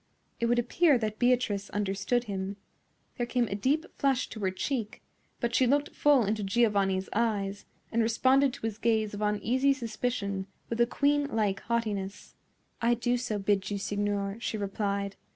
It would appear that Beatrice understood him. There came a deep flush to her cheek; but she looked full into Giovanni's eyes, and responded to his gaze of uneasy suspicion with a queenlike haughtiness. "I do so bid you, signor," she replied.